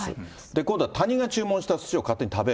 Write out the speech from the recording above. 今度は、他人が注文したすしを勝手に食べる。